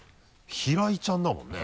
「平井」ちゃんだもんね。